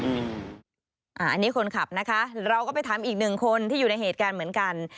อันนี้คนขับนะคะเราก็ไปถามอีกหนึ่งคนที่อยู่ในเหตุการณ์เหมือนกัน